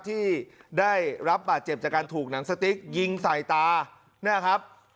ที่ได้รับบาดเจ็บจากการถูกหนังสติ๊กยิงใส่ตาเนี่ยครับ